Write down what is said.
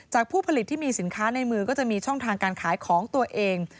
ผู้ผลิตที่มีสินค้าในมือก็จะมีช่องทางการขายของตัวเอง